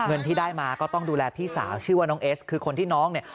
เงินที่ได้มาก็ต้องดูแลพี่สาวชื่อว่าน้องเอสคือคนที่น้องเนี่ย